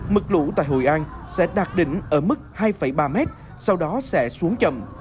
mực lũ tại hội an sẽ đạt đỉnh ở mức hai ba mét sau đó sẽ xuống chậm